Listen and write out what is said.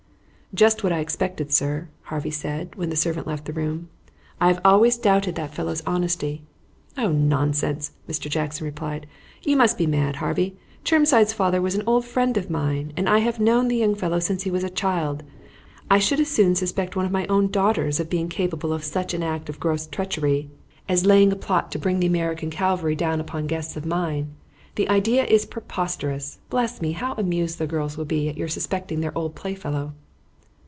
"Just what I expected, sir," Harvey said, when the servant left the room. "I have always doubted that fellow's honesty." "Oh, nonsense!" Mr. Jackson replied. "You must be mad, Harvey. Chermside's father was an old friend of mine, and I have known the young fellow since he was a child. I should as soon suspect one of my own daughters of being capable of such an act of gross treachery as laying a plot to bring the American cavalry down upon guests of mine. The idea is preposterous. Bless me, how amused the girls will be at your suspecting their old playfellow!"